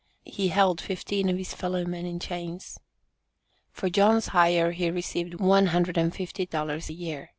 He held fifteen of his fellow men in chains. For John's hire he received one hundred and fifty dollars a year.